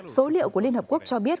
số liệu của liên hợp quốc cho biết